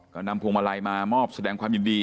ก็นำพวงมาลัยมามอบแสดงความยินดี